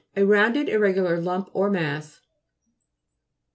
A rounded irregular lump or mass.